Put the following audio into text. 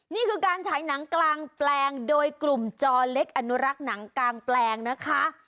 นี่คือการฉายหนังกลางแปลงโดยกลุ่มจอเล็กอนุรักษ์หนังกลางแปลงนะคะ